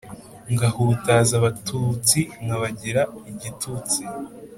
ngahutaza abatutsi nkabagira igitutsi